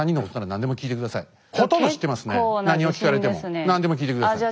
何でも聞いて下さい。